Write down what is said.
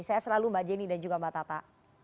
saya selalu mbak jenny dan juga mbak tata